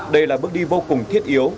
đây là bước đi vô cùng thiết yếu